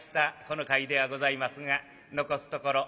この会ではございますが残すところ